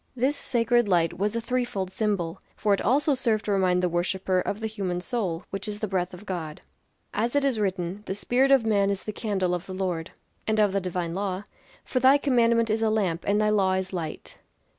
This sacred light was a three fold symbol, for it also served to remind the worshipper of the human soul, which is the breath of God; as it is written, "The spirit of man is the candle of the Lord." And of the divine law "For thy commandment is a lamp; and thy law is light."